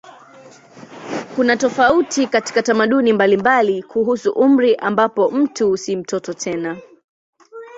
Kuna tofauti katika tamaduni mbalimbali kuhusu umri ambapo mtu si mtoto tena.